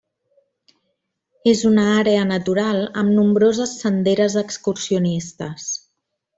És una àrea natural amb nombroses senderes excursionistes.